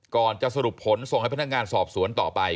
ก่อนจะสรุปผลส่งให้พนักงานสอบสวนต่อไป